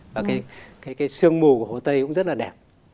và cái sương mù của hồ tây cũng rất là đẹp